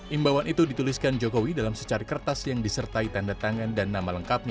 imbauan itu dituliskan jokowi dalam secari kertas yang disertai tanda tangan dan nama lengkapnya